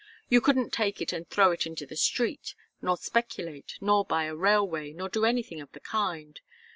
You couldn't take it and throw it into the street, nor speculate, nor buy a railway, nor do anything of the kind.